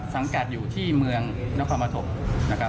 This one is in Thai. สังกัดอยู่ที่เมืองพัมธมธกรรม